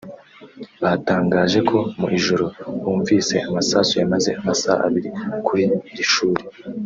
batangaje ko mu ijoro bumvise amasasu yamaze amasaha abiri kuri iri shuri